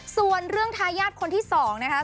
ส่วนเรื่องทายาทคนที่๒นะคะ